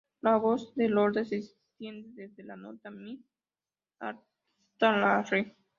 La voz de Lorde se extiende desde la nota "mi" hasta la "re".